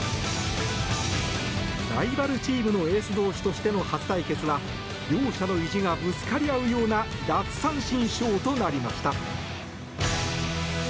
ライバルチームのエース同士としての初対決は両者の意地がぶつかり合うような奪三振ショーとなりました。